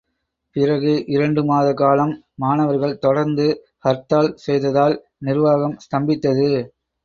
பிறகு இரண்டு மாத காலம், மாணவர்கள் தொடர்ந்து ஹர்த்தால் செய்ததால் நிர்வாகம் ஸ்தம்பித்தது.